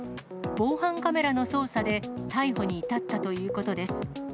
防犯カメラの捜査で逮捕に至ったということです。